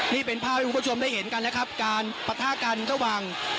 นี่เป็นภาพให้คุณผู้ชมได้เห็นกันนะครับการปะทะกันระหว่าง